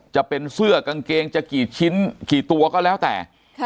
จะเป็นเสื้อกางเกงจะกี่ชิ้นกี่ตัวก็แล้วแต่